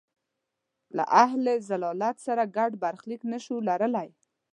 له اهل ضلالت سره ګډ برخلیک نه شو لرلای.